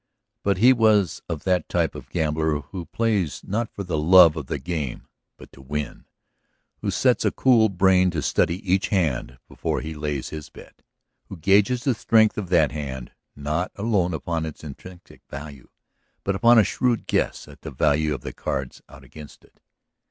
But he was of that type of gambler who plays not for the love of the game but to win; who sets a cool brain to study each hand before he lays his bet; who gauges the strength of that hand not alone upon its intrinsic value but upon a shrewd guess at the value of the cards out against it.